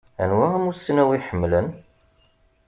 Anwa amussnaw i ḥemmlen?